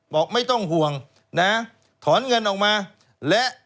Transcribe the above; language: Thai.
บอกไม่ต้องห่วงนะถอนเงินออกมาและ